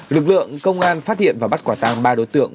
lực lượng công an phát hiện và bắt quả tàng ba đối tượng